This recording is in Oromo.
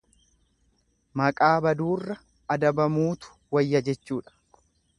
Maqaa baduurra adabamuutu wayya jechuudha.